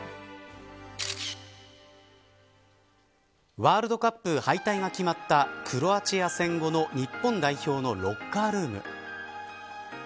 ワールドカップ敗退が決まったクロアチア戦後の日本代表のロッカールーム。